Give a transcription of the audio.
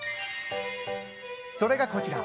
それがこちら。